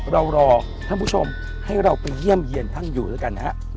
รอท่านผู้ชมให้เราไปเยี่ยมเยี่ยนท่านอยู่แล้วกันนะครับ